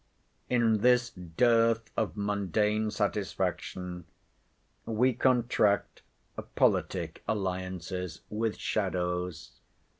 In this dearth of mundane satisfaction, we contract politic alliances with shadows.